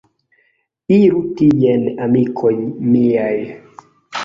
Iru tien amikoj miaj.